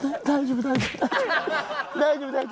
大丈夫大丈夫。